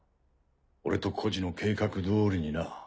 俺と居士の計画どおりにな。